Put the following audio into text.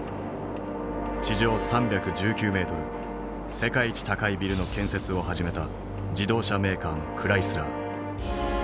世界一高いビルの建設を始めた自動車メーカーのクライスラー。